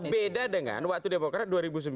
beda dengan waktu demokrat dua ribu sembilan